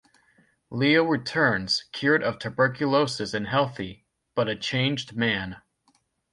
Leo returns cured of tuberculosis and healthy, but a changed man.